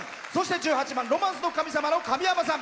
１８番「ロマンスの神様」のかみやまさん。